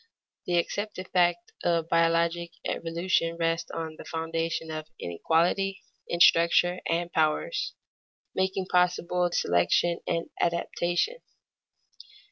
The accepted fact of biologic evolution rests on the foundation of inequality in structure and powers, making possible selection and adaptation.